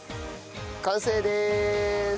完成でーす。